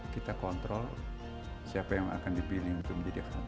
kita kontrol siapa yang akan dibiliin untuk menjadi khatib